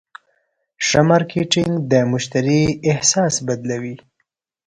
ښه مارکېټنګ د مشتری احساس بدلوي.